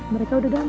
mereka udah gampang